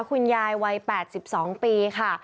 คุณยายวัย๘๒ปีค่ะ